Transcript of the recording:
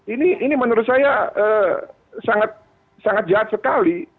ini ini menurut saya sangat sangat jahat sekali